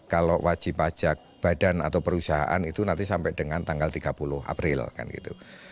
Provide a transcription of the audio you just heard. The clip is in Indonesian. kalau wajib pajak badan atau perusahaan itu nanti sampai dengan tanggal tiga puluh april kan gitu